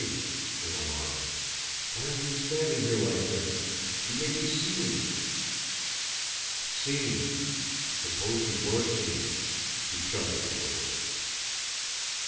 "Jimmie!" in alarm. "Why are you standing here like this? You may be SEEN!" Seen! Suppose he WERE seen? He shuddered a little.